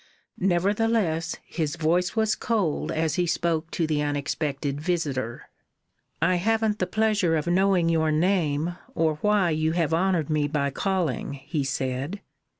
Nevertheless, his voice was cold as he spoke to the unexpected visitor. "I haven't the pleasure of knowing your name, or why you have honoured me by calling," he said.